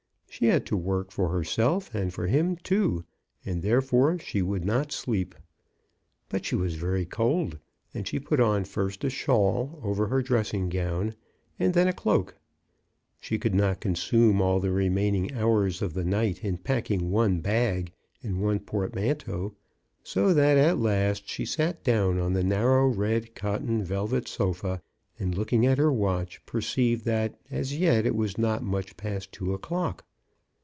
She had to work for • herself and for him too, and therefore she would not sleep. But she was very cold, and she put on first a shawl over her dressing gown and then a cloak. She could not consume all the remain ing hours of the night in packing one bag and one portmanteau ; so that at last she sat down on the narrow red cotton velvet sofa, and, look ing at her watch, perceived that as yet it was not much past two o'clock.